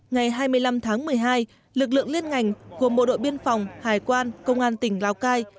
ngày hai mươi năm tháng một mươi hai lực lượng liên ngành gồm bộ đội biên phòng hải quan công an tỉnh lào cai